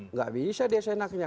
nggak bisa desa senaknya